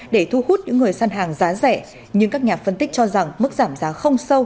để thu hút những người săn hàng giá rẻ nhưng các nhà phân tích cho rằng mức giảm giá không sâu